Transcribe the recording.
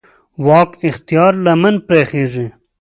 واک اختیار لمن پراخېږي.